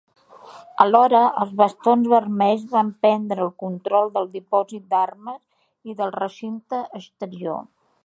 Alhora, els Bastons Vermells van prendre el control del dipòsit d'armes i del recinte exterior.